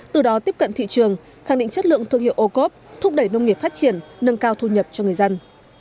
từ đó tiếp cận thị trường khẳng định chất lượng thương hiệu ô cốp thúc đẩy nông nghiệp phát triển nâng cao thu nhập cho người dân